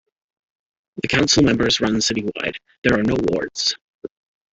The council members run citywide; there are no wards.